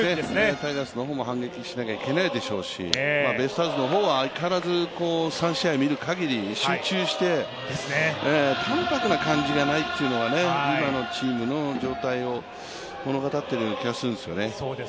タイガースの方も反撃しなきゃいけないでしょうし、ベイスターズの方は相変わらず３試合見るかぎり集中して淡泊な感じがないというのが今のチームの状態を物語っているような気がするんですよね。